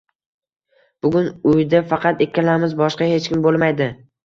— Bugun uyda faqat ikkalamiz, boshqa hech kim bo’lmaydi